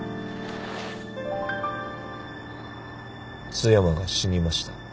津山が死にました。